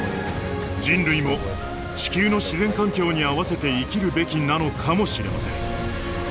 人類も地球の自然環境に合わせて生きるべきなのかもしれません。